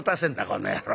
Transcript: この野郎。